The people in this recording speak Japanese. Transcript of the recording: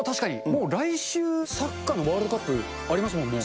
もう来週サッカーのワールドカップありますもんね。